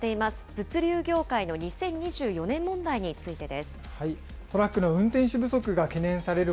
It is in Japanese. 物流業界の２０２４年問題についトラックの運転手不足が懸念される